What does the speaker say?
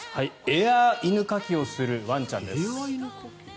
エア犬かきをするワンちゃんです。